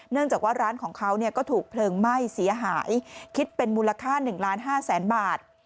เนื่องจากว่าร้านของเขาก็ถูกเพลิงไหม้เสียหายคิดเป็นมูลค่า๑๕๐๐๐๐๐บาท